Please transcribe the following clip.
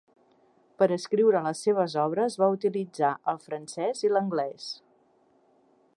Per escriure les seves obres va utilitzar el francès i l'anglès.